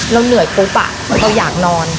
เราเหนื่อยปุ๊บเราอยากนอน